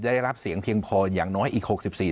ได้รับเสียงเพียงพออย่างน้อยอีกหกสิบสี่